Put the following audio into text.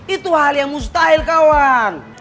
itu hal yang mustahil kawang